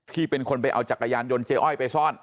ที่เป็นคนไปเอาจักรยานยนต์เจ๊อ้อยไปซ่อน